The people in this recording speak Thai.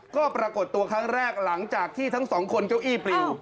ก็ปรากฏตัวครั้งแรกหลังจากที่ทั้งสองคนเก้าอี้ปลิว